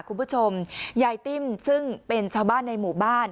คุณผู้ชมยายติ้มซึ่งเป็นชาวบ้านในหมู่บ้าน